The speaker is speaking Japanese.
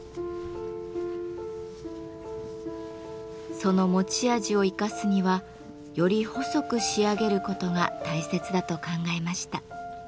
その持ち味を生かすにはより細く仕上げることが大切だと考えました。